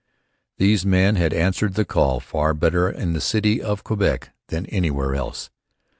These men had answered the call far better in the city of Quebec than anywhere else.